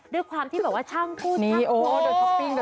อ๋อด้วยความที่บอกว่าช่างกุ้นช่างกุ้น